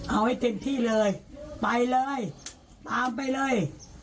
เอาให้เต็มที่เลยไปเลยตามไปเลย